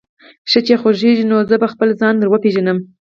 ښه چې خوښېږي دې، نو زه به خپله ځان در وپېژنم.